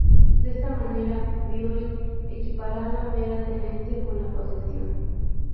De esta manera, a priori, equipara la mera tenencia con la posesión.